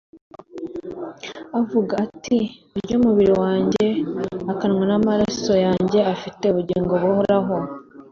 Aravuga ati: "Urya umubiri wanjye, akanyvan'amarasoyanjye afite ubugingo buhoraho."